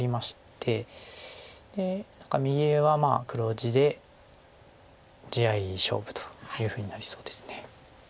で何か右上は黒地で地合い勝負というふうになりそうです。